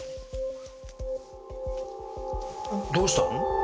どうしたの？